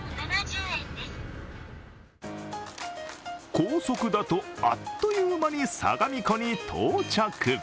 高速だとあっという間に相模湖に到着。